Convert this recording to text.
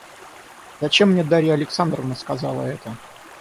Зачем мне Дарья Александровна сказала это?